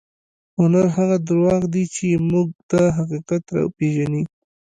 هنر هغه درواغ دي چې موږ ته حقیقت راپېژني.